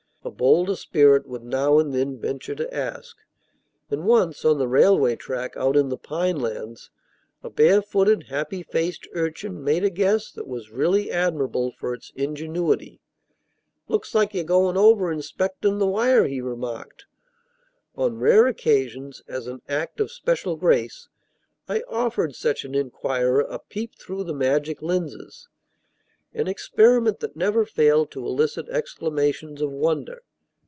a bolder spirit would now and then venture to ask; and once, on the railway track out in the pine lands, a barefooted, happy faced urchin made a guess that was really admirable for its ingenuity. "Looks like you're goin' over inspectin' the wire," he remarked. On rare occasions, as an act of special grace, I offered such an inquirer a peep through the magic lenses, an experiment that never failed to elicit exclamations of wonder.